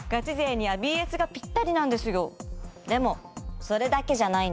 だからこそでもそれだけじゃないんです。